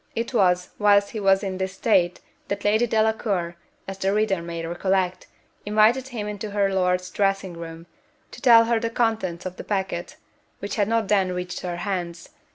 It was whilst he was in this state that Lady Delacour (as the reader may recollect) invited him into her lord's dressing room, to tell her the contents of the packet, which had not then reached her hands.